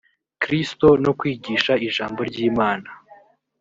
kristo no kwigisha ijambo ry imana